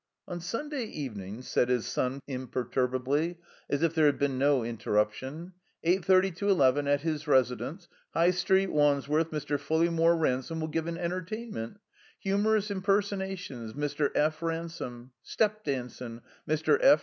"On Sunday evenin'/' said his son, imperturb ably, as if there had been no interruption, "eight thirty to eleven, at his residence. High Street, Wands worth, Mr. Fulleymore Ransome will give an Enter tainment. Humorous Impersonations : Mr. P. Ran some. Step Dandn': Mr. P.